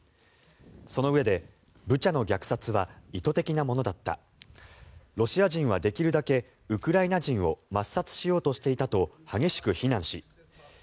そのうえで、ブチャの虐殺は意図的なものだったロシア人はできるだけウクライナ人を抹殺しようとしていたと激しく非難しＧ７